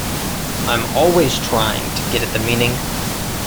I'm always trying to get at the meaning.